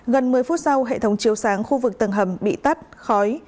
gần một mươi phút sau hệ thống chiếu sáng khu vực tầng hầm bị tắt khói